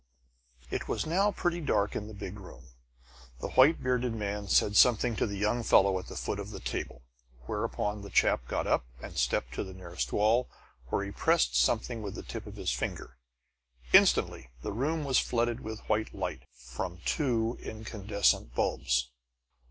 It was now pretty dark in the big room. The white bearded man said something to the young fellow at the foot of the table, whereupon the chap got up and stepped to the nearest wall, where he pressed something with the tip of his finger. Instantly the room was flooded with white light from two incandescent bulbs!